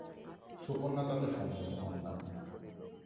সুকন্যা তাতে সম্মত হন না।